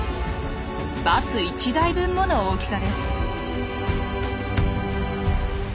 バス１台分もの大きさです。